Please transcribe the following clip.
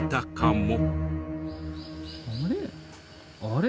あれ？